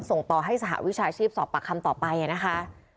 ส่งต่อให้สหวิชาชีพสอบปากคำต่อไปนะคะ